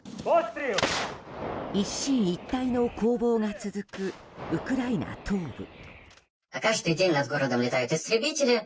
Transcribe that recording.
一進一退の攻防が続くウクライナ東部。